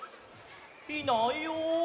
いないよ。